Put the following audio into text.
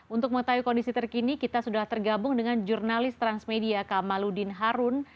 untuk mengetahui kondisi terkini kita sudah tergabung dengan jurnalis transmedia kamaludin harun